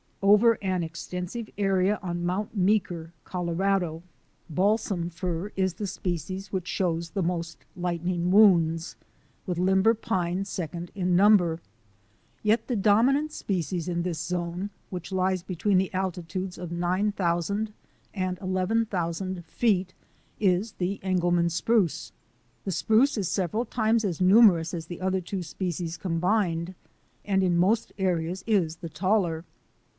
Over an extensive area on Mount Meeker, Colo rado, balsam fir is the species which shows the most lightning wounds, with limber pine second in numbers. Yet the dominant species in this zone, which lies between the altitudes of nine thousand and eleven thousand feet, is the Engelmann spruce. The spruce is several times as numerous as the other two species combined, and in most areas is the taller.